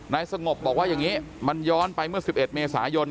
สงบบอกว่าอย่างนี้มันย้อนไปเมื่อ๑๑เมษายน